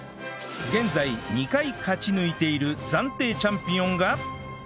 現在２回勝ち抜いている暫定チャンピオンが